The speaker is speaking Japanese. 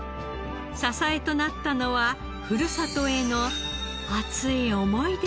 支えとなったのはふるさとへの熱い想いでした。